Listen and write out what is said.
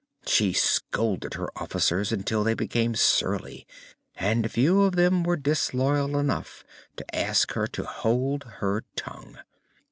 She scolded her officers until they became surly, and a few of them were disloyal enough to ask her to hold her tongue.